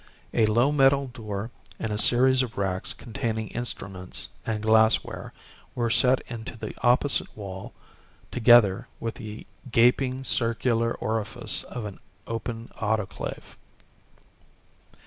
A low metal door and series of racks containing instruments and glassware were set into the opposite wall together with the gaping circular orifice of an open autoclave.